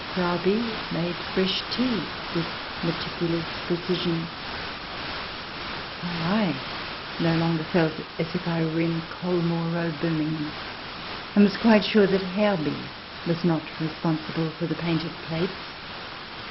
... Frau B made fresh tea with meticulous pre cision ... while I no longer felt as if I were in Colmore Row, Birmingham, and was quite sure that Herr B was not responsible for the painted plates.